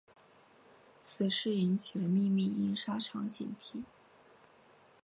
此事引起了秘密印刷厂警惕。